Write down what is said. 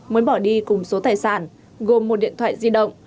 mới bỏ đi cùng số tài sản gồm một điện thoại di động